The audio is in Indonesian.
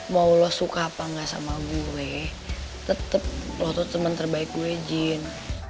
mau lo suka apa enggak sama gue tetep lo tuh temen terbaik gue jin